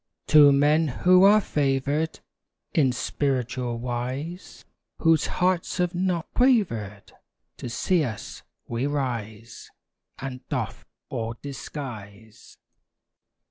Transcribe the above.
To men who are favored In spiritual wise, Whose hearts have not quavered To see us, we rise And doff all disguise.